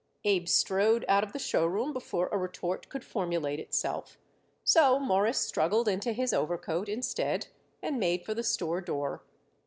Abe strode out of the show room before a retort could formulate itself, so Morris struggled into his overcoat instead and made for the store door.